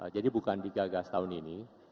jadi bukan digagas tahun ini